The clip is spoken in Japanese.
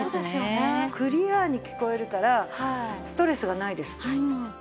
クリアに聞こえるからストレスがないです。